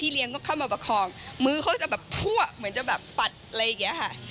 เลี้ยงก็เข้ามาประคองมือเขาจะแบบพั่วเหมือนจะแบบปัดอะไรอย่างนี้ค่ะ